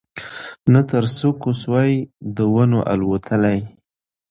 نه تر څوکو سوای د ونو الوتلای